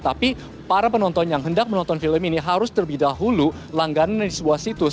tapi para penonton yang hendak menonton film ini harus terlebih dahulu langganan di sebuah situs